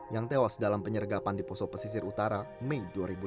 yang tewas dalam penyergapan di poso pesisir utara mei dua ribu dua puluh